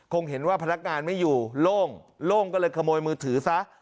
คงเห็นว่าพนักงานไม่อยู่โล่งโล่งก็เลยขโมยมือถือซะ